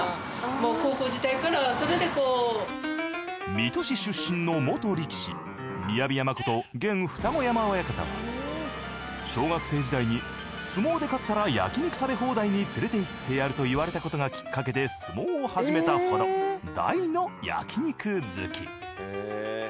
水戸市出身の元力士雅山こと現二子山親方は小学生時代に相撲で勝ったら焼肉食べ放題に連れていってやると言われたことがきっかけで相撲を始めたほど大の焼肉好き。